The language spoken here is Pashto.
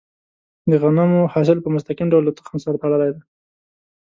د غنمو حاصل په مستقیم ډول له تخم سره تړلی دی.